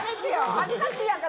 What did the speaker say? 恥ずかしいやんか！